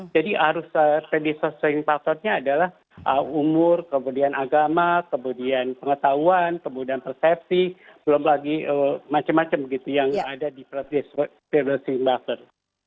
jadi harus predisposing faktornya adalah umur kemudian agama kemudian pengetahuan kemudian persepsi belum lagi macam macam begitu yang ada di predisposing factor